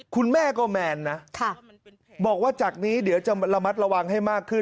คุณแม่ก็แมนนะบอกว่าจากนี้เดี๋ยวจะระมัดระวังให้มากขึ้น